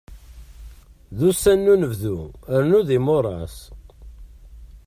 D ussan n unebdu rnu d imuras.